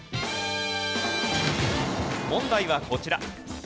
問題はこちら。